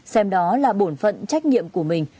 xem đó là bổn phận trách nhiệm của mình